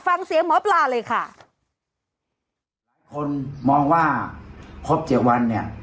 ฟังเสียงหมอปลาเลยค่ะหลายคนมองว่าครบเจ็ดวันเนี่ย